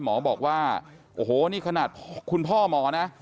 หมอบอกว่าโอ้โหนี่ขนาดคุณพ่อหมอนะ